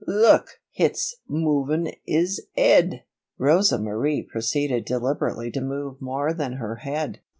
Look! Hit's movin' 'is 'ead." Rosa Marie proceeded deliberately to move more than her head.